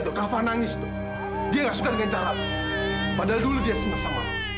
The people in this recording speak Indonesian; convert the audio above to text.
aku tidak mau yang lain pada dengar